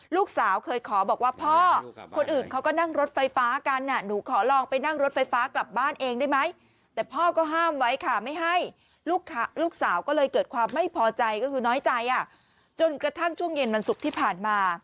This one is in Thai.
ลูกสาวเคยขอบอกว่าพ่อคนอื่นเขาก็นั่งรถไฟฟ้ากันนะ